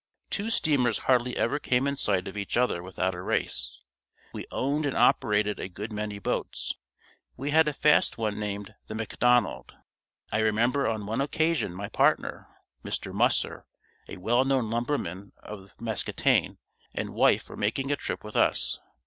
Two steamers hardly ever came in sight of each other without a race. We owned and operated a good many boats. We had a fast one named the "McDonald." I remember on one occasion my partner, Mr. Musser, a well known lumberman of Muscatine, and wife were making a trip with us.